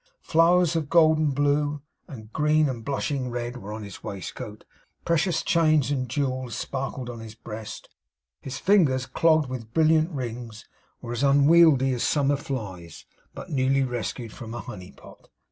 Flowers of gold and blue, and green and blushing red, were on his waistcoat; precious chains and jewels sparkled on his breast; his fingers, clogged with brilliant rings, were as unwieldly as summer flies but newly rescued from a honey pot.